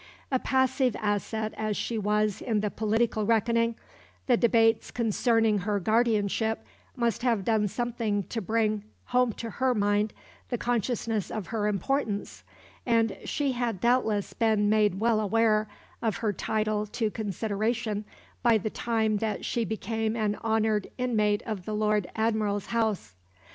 A passive asset as she was in the political reckoning, the debates concerning her guardianship must have done something to bring home to her mind the consciousness of her importance; and she had doubtless been made well aware of her title to consideration by the time that she became an honoured inmate of the Lord Admiral's house.